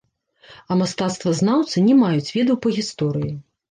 А мастацтвазнаўцы не маюць ведаў па гісторыі.